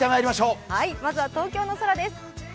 まずは東京の空です。